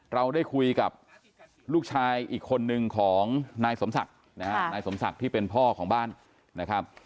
เราได้คุยกับลูกชายอีกคนนึงของนายสมศักดิ์นะฮะนายสมศักดิ์ที่เป็นพ่อของบ้านนะครับ